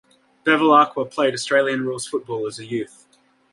Bevilaqua played Australian rules football as a youth.